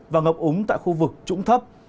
và ngập úng tại khu vực trụng thấp